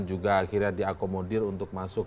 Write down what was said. juga akhirnya diakomodir untuk masuk